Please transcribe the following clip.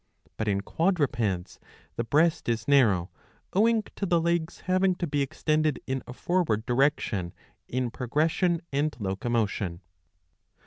But .in quadrupeds the breast is narrow, owing to the legs having to be extended in a forward direction in progression and locomotion.